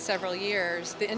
selama beberapa tahun